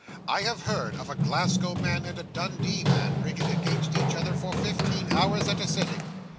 I have heard of a Glasgow man and a Dundee man drinking against each other for fifteen hours at a sitting.